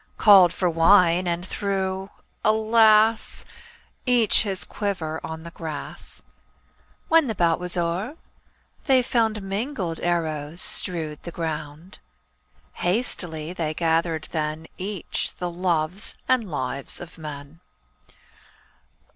Called for wine, and threw — alas! — Each his quiver on the grass. When the bout was o'er they found Mingled arrows strewed the ground. Hastily they gathered then Each the loves and lives of men.